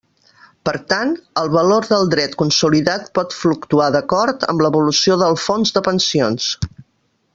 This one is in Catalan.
Per tant, el valor del dret consolidat pot fluctuar d'acord amb l'evolució del Fons de Pensions.